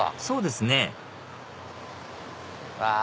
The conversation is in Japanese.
そうですねうわ